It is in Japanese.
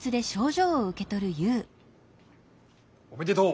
おめでとう。